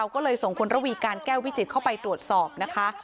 ก็เลยส่งคุณระวีการแก้ววิจิตรเข้าไปตรวจสอบนะคะ